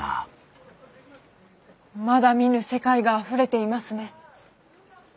まだ見ぬ世界があふれていますね。